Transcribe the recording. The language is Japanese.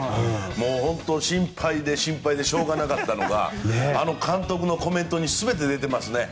もう本当、心配で心配でしょうがなかったのがあの監督のコメントに全て出てますね。